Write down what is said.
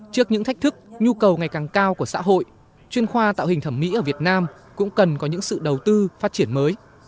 trước những thách thức nhu cầu ngày càng cao của xã hội chuyên khoa tạo hình thẩm mỹ ở việt nam cũng cần có những sự đầu tư phát triển mới